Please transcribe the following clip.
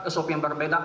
sop yang berbeda